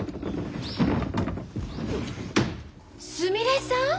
すみれさん！？